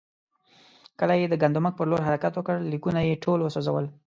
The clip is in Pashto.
کله یې د ګندمک پر لور حرکت وکړ، لیکونه یې ټول وسوځول.